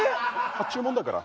発注もんだから。